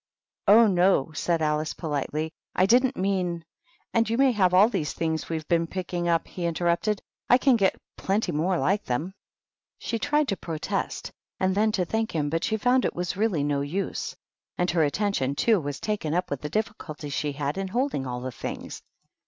"Oh, no!" said Alice, politely; "I didn't mean " "And you may have all these things we've been picking up," he interrupted; "I can get plenty more like them." THE WHITE KNIGHT. She tried to protest, and then to thank him, but she found it was really no use ; and her at tention, too, was taken up with the difficulty she had in holding all the things.